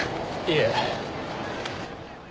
いえ。